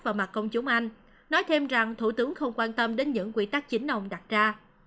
vào mặt công chúng anh nói thêm rằng thủ tướng không quan tâm đến những quy tắc chính ông đặt ra